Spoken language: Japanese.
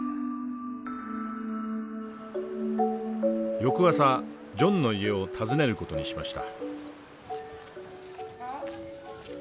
翌朝ジョンの家を訪ねる事にしました。